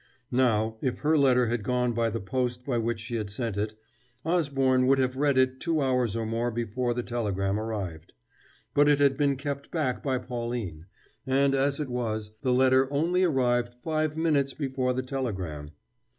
Now, if her letter had gone by the post by which she had sent it, Osborne would have read it two hours or more before the telegram arrived. But it had been kept back by Pauline: and, as it was, the letter only arrived five minutes before the telegram.